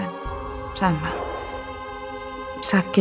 tidak perlu keluarga allah mari